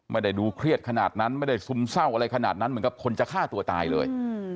ไม่ได้ดูเครียดขนาดนั้นไม่ได้ซึมเศร้าอะไรขนาดนั้นเหมือนกับคนจะฆ่าตัวตายเลย